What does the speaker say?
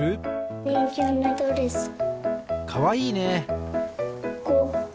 かわいいね！